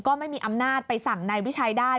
ก็ไม่มีอำนาจไปสั่งนายวิชัยได้